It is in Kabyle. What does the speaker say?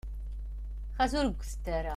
Ɣas ur gtent ara.